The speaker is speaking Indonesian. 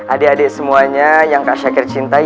adik adik semuanya yang kak syakir cintai